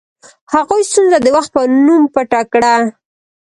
هغوی ستونزه د وخت په نوم پټه کړه.